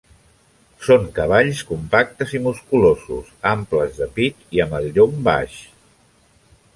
Són cavalls compactes i musculosos, amples de pit i amb el llom baix.